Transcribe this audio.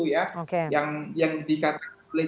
yang dikatakan oleh